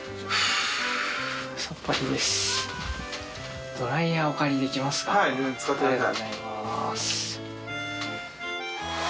ありがとうございます。